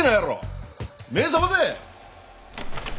目ぇ覚ませ！